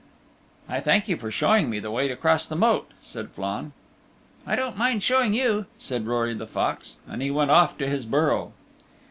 "I thank you for showing me the way to cross the moat," said Flann. "I don't mind showing you," said Rory the Fox, and he went off to his burrow.